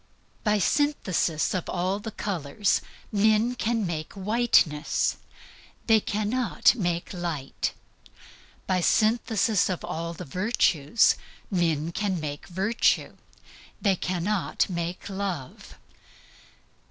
By synthesis of all the colors, men can make whiteness, they cannot make light. By synthesis of all the virtues, men can make virtue, they cannot make love.